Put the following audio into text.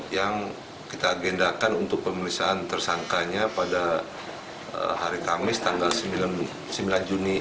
yang kita agendakan untuk pemilisan tersangkanya pada hari kamis tanggal sembilan juni dua ribu enam belas